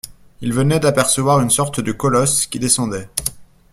Il venait d’apercevoir une sorte de colosse qui descendait.